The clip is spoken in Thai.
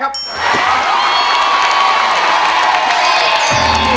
ร้องได้ให้ร้อง